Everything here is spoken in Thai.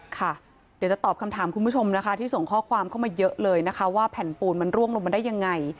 เดี๋ยวจะตอบคำถามคุณผู้ชมนะคะที่ส่งข้อความเข้ามาเยอะเลยนะคะว่าแผ่นปูนมันร่วงลงมาได้ยังไง